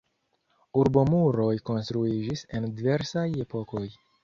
Urbomuroj konstruiĝis en diversaj epokoj.